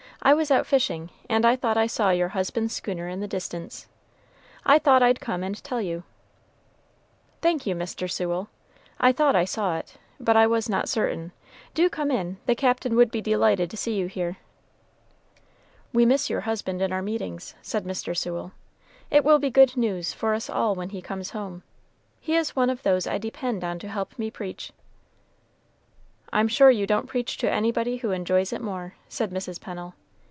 "I was out fishing, and I thought I saw your husband's schooner in the distance. I thought I'd come and tell you." "Thank you, Mr. Sewell. I thought I saw it, but I was not certain. Do come in; the Captain would be delighted to see you here." "We miss your husband in our meetings," said Mr. Sewell; "it will be good news for us all when he comes home; he is one of those I depend on to help me preach." "I'm sure you don't preach to anybody who enjoys it more," said Mrs. Pennel.